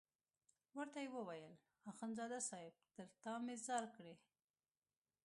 ورته ویې ویل اخندزاده صاحب تر تا مې ځار کړې.